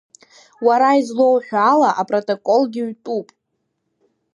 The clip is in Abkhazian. Уара излоуҳәо ала, апротоколгьы ҩтәуп.